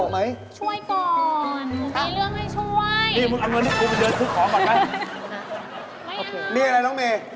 มีอะไรน้องเมย์